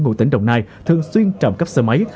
ngụ tỉnh đồng nai thường xuyên trộm cắp xe máy